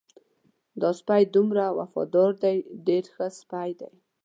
دا سپی دومره وفادار دی ډېر ښه سپی دی.